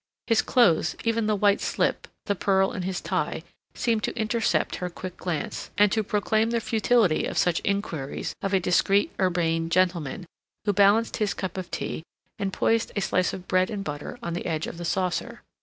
His clothes, even the white slip, the pearl in his tie, seemed to intercept her quick glance, and to proclaim the futility of such inquiries of a discreet, urbane gentleman, who balanced his cup of tea and poised a slice of bread and butter on the edge of the saucer.